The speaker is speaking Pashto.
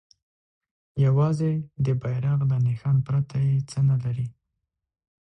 یوازې د بیرغ له نښان پرته یې څه نه لري.